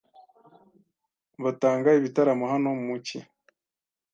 Batanga ibitaramo hano mu cyi.